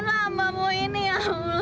selamatkan mamamu ini ya